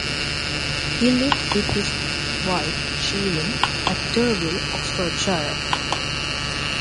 He lived with his wife Sheelin at Turville, Oxfordshire.